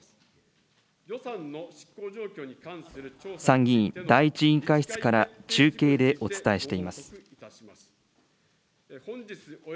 参議院第１委員会室から中継でお伝えしています。